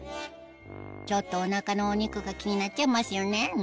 ちょっとお腹のお肉が気になっちゃいますよね